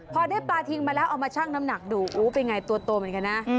พอได้ปลาทิงมาแล้วเอามาชั่งน้ำหนักดูอู้เป็นไงตัวโตเหมือนกันนะ